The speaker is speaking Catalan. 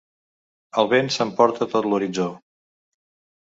El vent s’emporta tot l’horitzó.